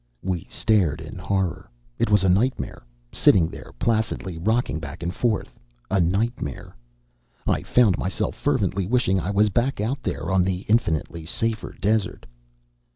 We stared in horror. It was a nightmare sitting there, placidly rocking back and forth, a nightmare. I found myself fervently wishing I was back out there on the infinitely safer desert.